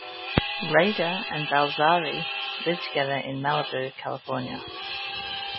Rayder and Balzary live together in Malibu, California.